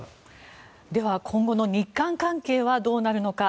では今後の日韓関係はどうなるのか。